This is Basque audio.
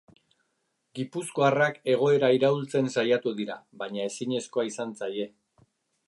Gipuzkoarrak egoera iraultzen saiatu dira, baina ezinezkoa izan zaie.